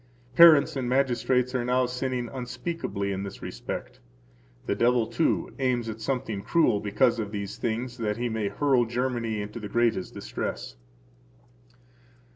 ] Parents and magistrates are now sinning unspeakably in this respect. The devil, too, aims at something cruel because of these things [that he may hurl Germany into the greatest distress].